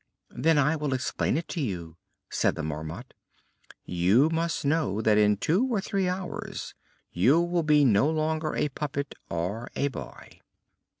"Then I will explain it to you," said the Marmot. "You must know that in two or three hours you will be no longer a puppet, or a boy."